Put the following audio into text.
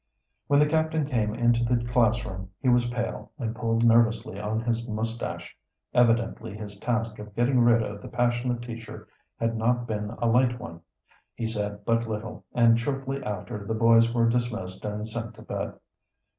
When the captain came into the classroom he was pale, and pulled nervously on his mustache Evidently his task of getting rid of the passionate teacher had not been a light one. He said but little, and shortly after the boys were dismissed and sent to bed.